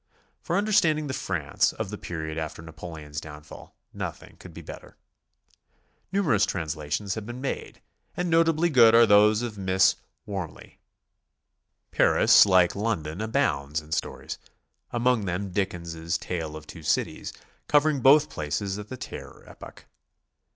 For understanding the France of the period after Napoleon's downfall, nothing could be better. Numerous translations have been made, and notably good are those of Miss W'orme ley. Paris, like London, abounds in stories, among them Dickens' "Tale of Two Cities," covering both places at the Terror epoch.